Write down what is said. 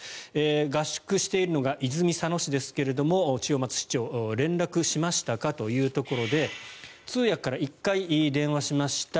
合宿しているのが泉佐野市ですが千代松市長は連絡しましたかというところで通訳から１回電話しました。